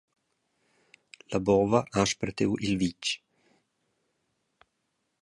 La bova ha spartiu il vitg.